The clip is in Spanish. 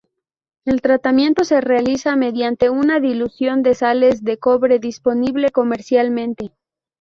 El tratamiento se realiza mediante una dilución de sales de cobre disponible comercialmente.